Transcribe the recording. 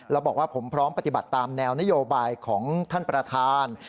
แล้วบอกว่าผมพร้อมปฏิบัติตามแนวนโยบายของท่านประธาน